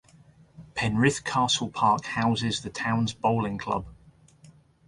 Penrith Castle Park houses the town's Bowling Club.